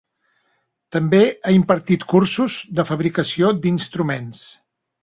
També ha impartit cursos de fabricació d'instruments.